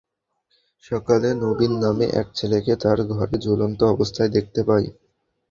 সকালে নবীন নামে এক ছেলেকে তার ঘরে ঝুলন্ত অবস্থায় দেখতে পায়।